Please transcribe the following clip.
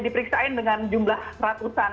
diperiksain dengan jumlah ratusan